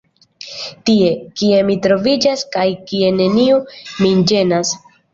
Tie, kie mi troviĝas kaj kie neniu min ĝenas.